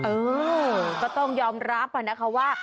เออก็ต้องยอมรับนะคะว่า